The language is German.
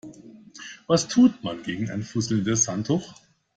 Was tut man gegen ein fusselndes Handtuch?